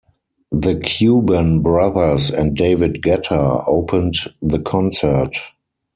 The Cuban Brothers and David Guetta opened the concert.